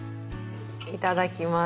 いただきます。